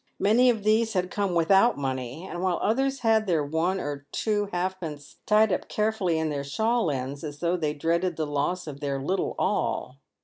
Many of these had come without money, while others had their one • or two halfpence tied up carefully in their shawl ends, as though they dreaded the loss of their little all.